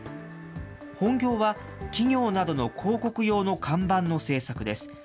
本業は企業などの広告用の看板の製作です。